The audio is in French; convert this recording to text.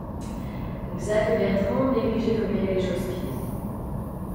Xavier Bertrand négligeait d'opérer les chausse-pieds.